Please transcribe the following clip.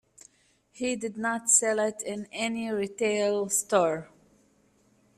He did not sell it in any retail store.